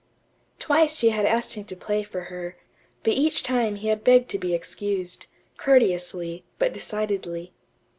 Twice she had asked him to play for her; but each time he had begged to be excused, courteously, but decidedly.